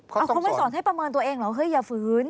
เขาไม่สอนให้ประเมินตัวเองเหรอเฮ้ยอย่าฝืน